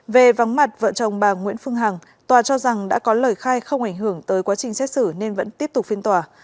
về vắng mặt vợ chồng bà nguyễn phương hằng tòa cho rằng đã có lời khai không ảnh hưởng tới quá trình xét xử nên vẫn tiếp tục phiên tòa